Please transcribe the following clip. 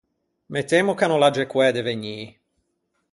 Mettemmo ch’a no l’agge coæ de vegnî.